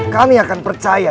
kami akan percaya